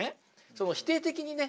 その否定的にね